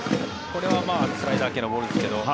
これはスライダー系のボールですけど。